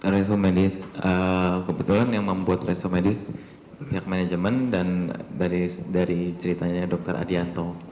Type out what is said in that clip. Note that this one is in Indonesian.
rekaman medis kebetulan yang membuat rekaman medis pihak manajemen dan dari ceritanya dr adianto